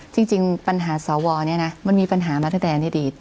จริงปัญหาสวนี้นะมันมีปัญหามาตั้งแต่อดีต